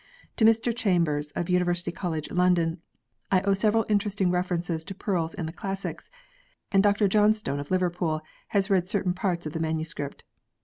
To Mr Chambers, of University College, London, I owe several interesting references to pearls in the classics; and Dr Johnstorie, of Liverpool, has read certain parts of the manuscript.